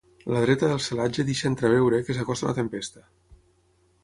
La dreta del celatge deixa entreveure que s’acosta una tempesta.